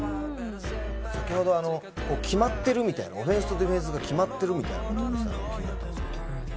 先ほど決まってるみたいな、オフェンスとディフェンスが決まってるみたいなこと言ってましたよね。